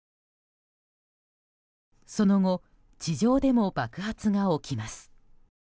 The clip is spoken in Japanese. その後地上でも爆発が起きます。